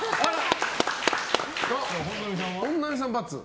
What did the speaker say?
本並さんは×？